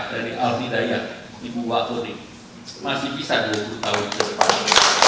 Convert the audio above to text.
dari al hidayat ibu watudi masih bisa dua puluh tahun ke depan